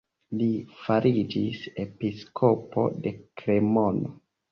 Li fariĝis episkopo de Kremono.